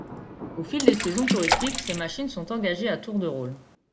Au fil des saisons touristiques, ces machines sont engagées à tour de rôle.